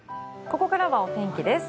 ここからはお天気です。